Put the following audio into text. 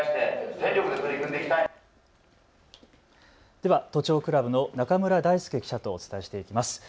では都庁クラブの中村大祐記者とお伝えしていきます。